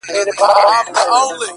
• زرین لوښي یې کتار کړل غلامانو,